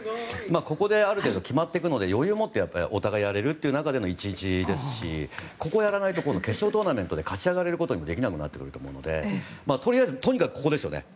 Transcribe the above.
ここである程度決まっていくので余裕をもってお互い、やれるという中での１−１ですしここをやらないと今度決勝トーナメントで勝ち上がれることもできなくなってくると思うのでとにかくここですね。